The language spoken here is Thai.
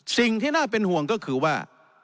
สิ่งที่น่าเป็นห่วงก็คือว่า